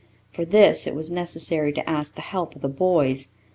For this it was necessary to ask the help of the boys.